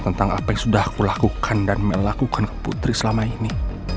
tentang apa yang sudah aku lakukan dan melakukan ke putri selama ini